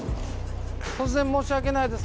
突然申し訳ないです。